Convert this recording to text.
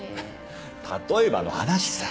例えばの話さ。